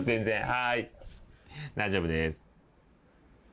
はーい大丈夫です。